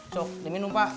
so diminum pak